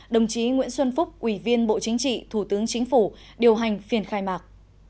đồng chí nguyễn xuân phúc ủy viên bộ chính trị thủ tướng chính phủ điều hành phiền khai mạc